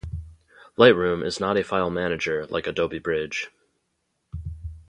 Lightroom is not a file manager like Adobe Bridge.